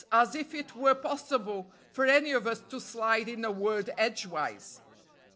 _ as if it were possible for any of us to slide in a word edgewise!)